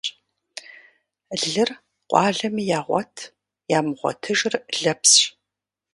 Лыр къуалэми ягъуэт, ямыгъуэтыжыр лэпсщ.